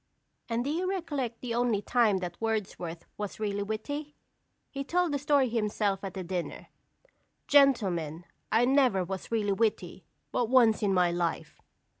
And do you recollect the only time that Wordsworth was really witty? He told the story himself at a dinner. "Gentlemen, I never was really witty but once in my life."